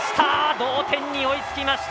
同点に追いつきました！